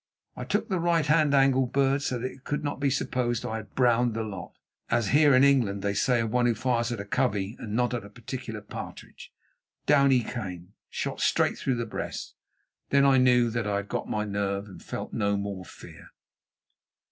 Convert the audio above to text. I took the right hand angle bird, so that it could not be supposed I had "browned the lot," as here in England they say of one who fires at a covey and not at a particular partridge. Down he came, shot straight through the breast. Then I knew that I had got my nerve, and felt no more fear.